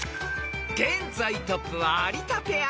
［現在トップは有田ペア］